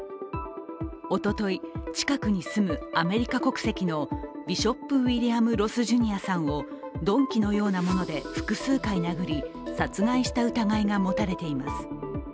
おととい、近くに住むアメリカ国籍のビショップ・ウィリアム・ロス・ジュニアさんを鈍器のようなもので複数回殴り殺害した疑いが持たれています。